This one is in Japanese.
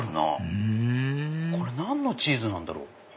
ふんこれ何のチーズなんだろう？